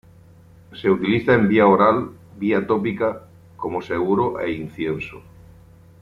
Se utiliza en vía oral, vía tópica, como seguro e incienso.